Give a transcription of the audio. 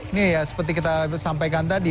ini ya seperti kita sampaikan tadi